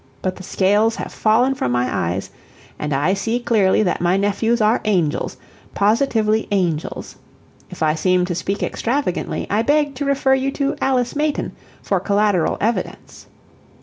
But the scales have fallen from my eyes, and I see clearly that my nephews are angels positively angels. If I seem to speak extravagantly, I beg to refer you to Alice Mayton for collateral evidence.